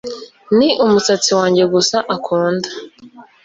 ni umusatsi wanjye gusa akunda